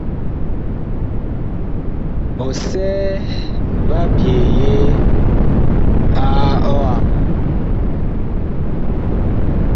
Ɔsɛɛ va ɓyeye a ɔam.